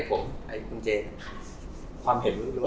คุณเจความเห็นมันล้วย